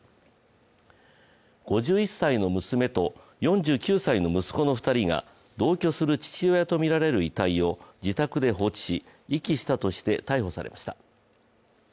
５１歳の娘と４９歳の息子の２人が同居する父親とみられる遺体を自宅で放置し遺棄したとして逮捕されました。